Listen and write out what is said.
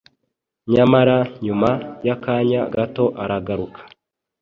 Nyamara nyuma y’akanya gato aragaruka